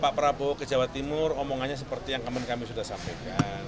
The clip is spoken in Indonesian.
pak prabowo ke jawa timur omongannya seperti yang kami sudah sampaikan